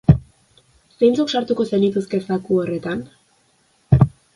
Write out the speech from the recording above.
Zeintzuk sartuko zenituzke zaku horretan?